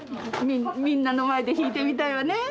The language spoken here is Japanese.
みんなの前で弾いてみたいわね。